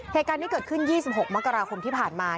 เหตุการณ์นี้เกิดขึ้น๒๖มกราคมที่ผ่านมา